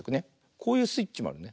こういうスイッチもあるね。